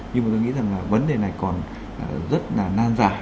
nhưng mà tôi nghĩ rằng là vấn đề này còn rất là nan giải